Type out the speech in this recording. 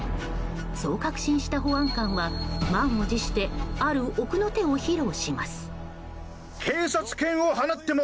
そう確信した保安官は満を持してある奥の手を披露します。